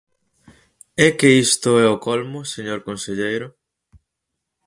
¡É que isto é o colmo, señor conselleiro!